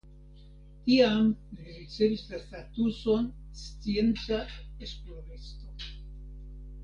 Tiam li ricevis la statuson scienca esploristo.